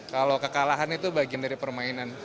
kalau kekalahan itu bagian dari permainan